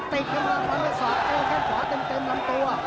ติดกับฝ่าเวลาสอบเจอแค่งขวาเต็มลำตัว